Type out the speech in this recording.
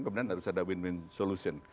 kemudian harus ada win win solution